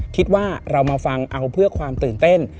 คิดว่าเรามาฟังเอาเพื่อความตื่นเต้น